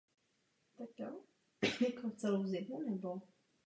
Sbírky byly vedeny jako součást městského muzea.